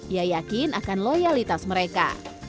ia yakin akan loyalitas mereka